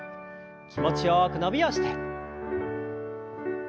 気持ちよく伸びをして。